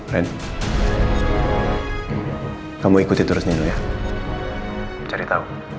ren kamu ikuti terusnya ya cari tahu